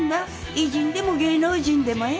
偉人でも芸能人でもええ。